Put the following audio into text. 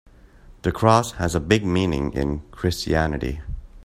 The cross has a big meaning in Christianity.